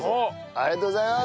ありがとうございます！